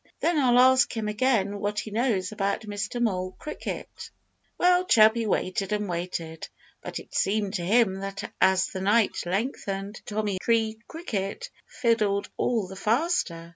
"Then I'll ask him again what he knows about Mr. Mole Cricket." Well, Chirpy waited and waited. But it seemed to him that as the night lengthened Tommy Tree Cricket fiddled all the faster.